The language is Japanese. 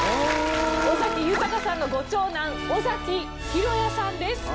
尾崎豊さんのご長男尾崎裕哉さんです。